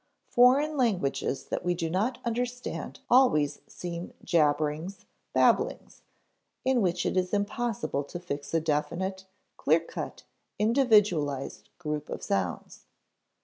Foreign languages that we do not understand always seem jabberings, babblings, in which it is impossible to fix a definite, clear cut, individualized group of sounds.